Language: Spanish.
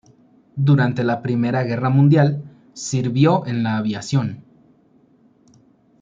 Durante la Primera Guerra Mundial, sirvió en la aviación.